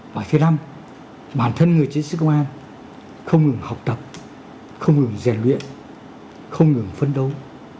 và thứ năm bản thân người chiến sĩ công an không ngừng học tập không ngừng rèn luyện không ngừng phấn đấu